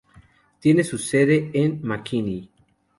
Tiene su sede en McKinney.